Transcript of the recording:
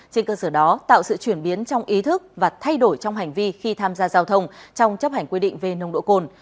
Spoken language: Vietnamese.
trên cơ sở đó tạo sự chuyển biến trong ý thức và thay đổi trong hành vi khi tham gia giao thông trong chấp hành quy định về nồng độ cồn